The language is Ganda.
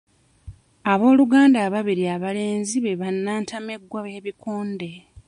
Abooluganda ababiri abalenzi be bannantameggwa b'ebikonde.